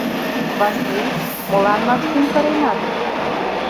Васли, молан Максим кыренат?